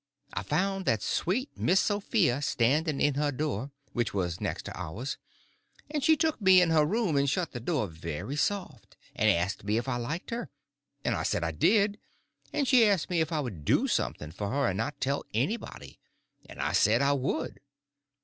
I found that sweet Miss Sophia standing in her door, which was next to ours, and she took me in her room and shut the door very soft, and asked me if I liked her, and I said I did; and she asked me if I would do something for her and not tell anybody, and I said I would.